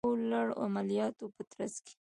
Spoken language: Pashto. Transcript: د یو لړ عملیاتو په ترڅ کې